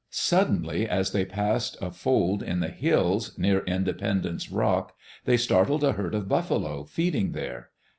Suddenly, as they passed a fold in the hills, near Inde pendence Rock, they startled a herd of buffalo feeding there.